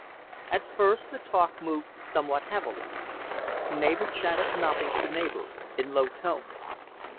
At first, the talk moved somewhat heavily. Neighbor chattered nothings to neighbor in low tones.